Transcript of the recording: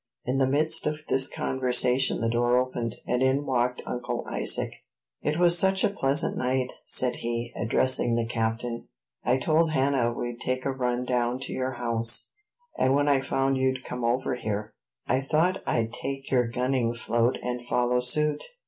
In the midst of this conversation the door opened, and in walked Uncle Isaac. "It was such a pleasant night," said he, addressing the captain, "I told Hannah we'd take a run down to your house; and when I found you'd come over here, I thought I'd take your gunning float and follow suit."